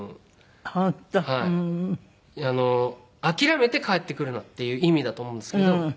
諦めて帰ってくるなっていう意味だと思うんですけど。